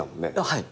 はい。